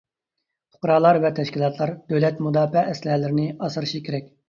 پۇقرالار ۋە تەشكىلاتلار دۆلەت مۇداپىئە ئەسلىھەلىرىنى ئاسرىشى كېرەك.